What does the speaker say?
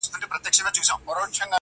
اباسین بیا څپې څپې دی٫